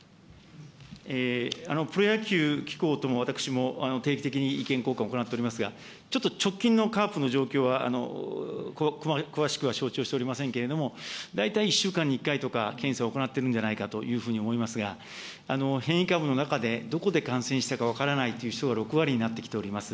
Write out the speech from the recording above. プロ野球機構とも私も定期的に意見交換を行っておりますが、ちょっと直近のカープの状況は詳しくは承知をしておりませんけれども、大体１週間に１回とか検査を行ってるんじゃないかというふうに思いますが、変異株の中で、どこで感染したか分からないという人が６割になってきております。